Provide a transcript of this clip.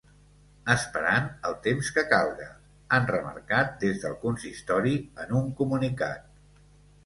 Esperant el temps que calga, han remarcat des del consistori en un comunicat.